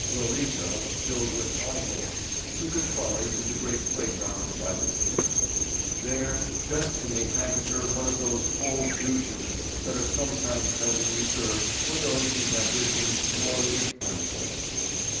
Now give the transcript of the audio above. '" Lolita, filled with high hopes, took a trolley to the great playground by the sea. There destiny handed her one of those cold douches that are sometimes held in reserve for those whose ambitions o'erleap themselves.